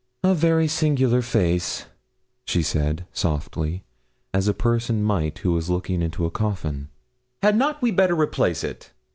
'A very singular face,' she said, softly, as a person might who was looking into a coffin. 'Had not we better replace it?'